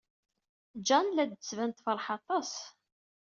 Jane la d-tettban tefṛeḥ aṭas.